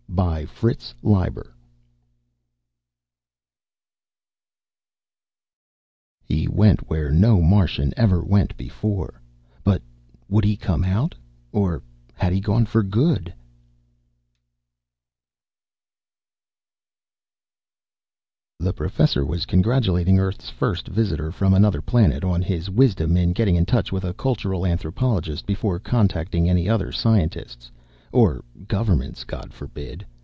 _ By FRITZ LEIBER He went where no Martian ever went before but would he come out or had he gone for good? Illustrated By BOWMAN The Professor was congratulating Earth's first visitor from another planet on his wisdom in getting in touch with a cultural anthropologist before contacting any other scientists (or governments, God forbid!)